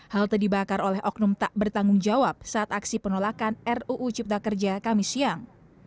halte dibakar oleh oknum tak bertanggung jawab saat aksi penolakan ruu cipta kerja kami siang